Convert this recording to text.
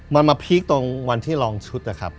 มันมาพีคตรงวันที่ลองชุดนะครับ